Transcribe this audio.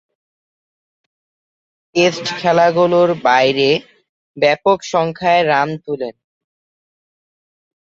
Test খেলাগুলোর বাইরে ব্যাপকসংখ্যায় রান তুলেন।